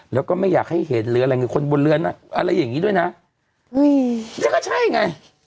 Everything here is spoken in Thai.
และก็ไม่อยากให้เห็นหรือคนบนเรือนอะไรแบบนี้ด้วยนั่นก็ใช่ไง